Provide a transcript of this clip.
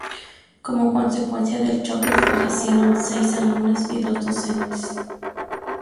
Como consecuencia del choque, fallecieron seis alumnas y dos docentes.